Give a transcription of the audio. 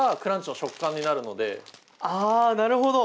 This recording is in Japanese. あなるほど！